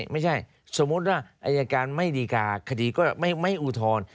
ไม่ใช่สมมุติว่าอายการไม่ดีการ์คดีก็ไม่อุทธรณ์